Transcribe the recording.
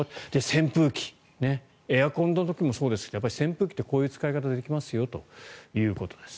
扇風機エアコンの時もそうですけど扇風機って、こういう使い方できますよということです。